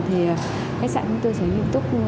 thì khách sạn chúng tôi sẽ nghiên túc